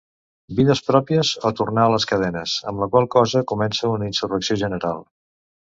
"Vides pròpies, o tornar a les cadenes", amb la qual cosa comença una insurrecció general.